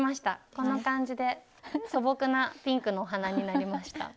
こんな感じで素朴なピンクのお鼻になりました。